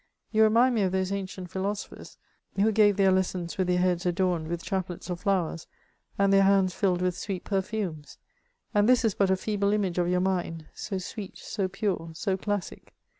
You remind me of those ancient philosophers who gave their lessons with their heads adorned with chaplets of flowers, and their hands filled with sweet perfumes ; and this is but a feeble image of your mind, 80 sweet, so pure, so classic.